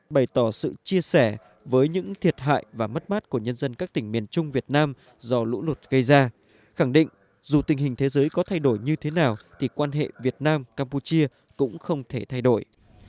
bày tỏ sự chia sẻ với những thiệt hại và mất mát của nhân dân các tỉnh miền trung việt nam do lũ lụt gây ra khẳng định dù tình hình thế giới có thay đổi như thế nào thì quan hệ việt nam campuchia cũng không thể thay đổi